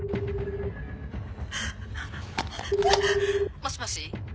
もしもし？